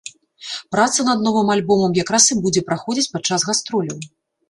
Праца над новым альбомам як раз і будзе праходзіць падчас гастроляў.